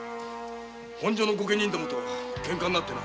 本所の御家人とケンカになってな。